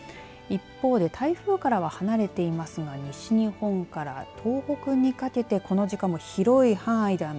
一方で台風からは離れていますが西日本から東北にかけて、この時間も広い範囲で雨。